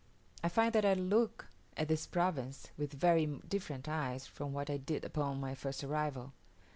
I find that I look at this province with very different eyes from what I did upon my first arrival.